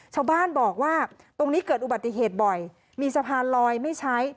ชาวบ้านบอกว่าตรงนี้เกิดอุบัติเหตุบ่อยมีสะพานลอยไม่ใช้